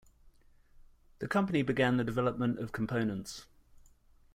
The company began the development of components.